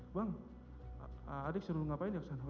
bang adik suruh ngapain ya